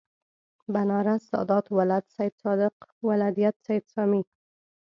بنارس سادات ولد سیدصادق ولدیت سید سامي